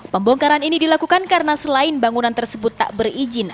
pembongkaran ini dilakukan karena selain bangunan tersebut tak berizin